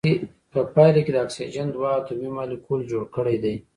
په پایله کې د اکسیجن دوه اتومي مالیکول جوړ کړی دی.